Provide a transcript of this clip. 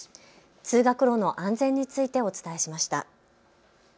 通学路の安全についてお伝えしました。